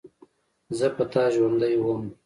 زه په تا ژوندۍ وم.